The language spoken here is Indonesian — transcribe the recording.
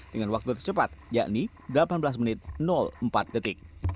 dengan waktu tercepat yakni delapan belas menit empat detik